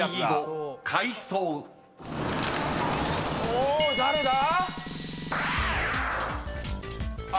お誰だ？